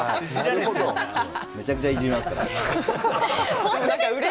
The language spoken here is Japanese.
めちゃくちゃいじめますから。